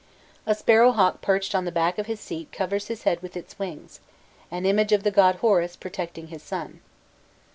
A sparrow hawk perched on the back of his seat covers his head with its wings an image of the god Horus protecting his son.